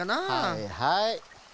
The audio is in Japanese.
はいはい。